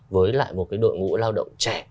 với lại một cái đội ngũ lao động trẻ